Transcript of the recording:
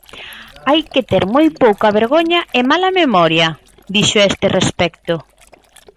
"Hai que ter moi pouca vergoña e mala memoria", dixo a este respecto.